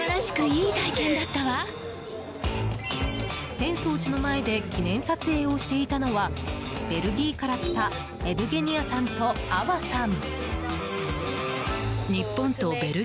浅草寺の前で記念撮影をしていたのはベルギーから来たエブゲニアさんとアワさん。